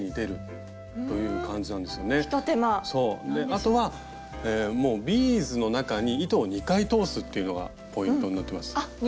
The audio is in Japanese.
あとはもうビーズの中に糸を２回通すっていうのがポイントになってます。